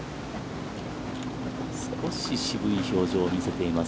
少し渋い表情を見せています、